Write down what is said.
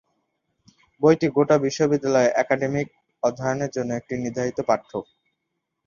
বইটি গোয়া বিশ্ববিদ্যালয়ের একাডেমিক অধ্যয়নের জন্য একটি নির্ধারিত পাঠ্য।